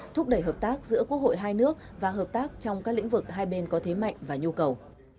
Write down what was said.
thúc đẩy hợp tác giữa quốc hội hai nước và hợp tác trong các lĩnh vực hai bên có thế mạnh và nhu cầu